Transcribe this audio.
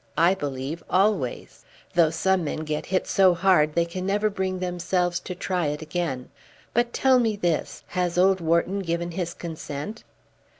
I believe always; though some men get hit so hard they can never bring themselves to try it again. But tell me this. Has old Wharton given his consent?"